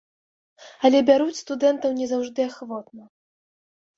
Але бяруць студэнтаў не заўжды ахвотна.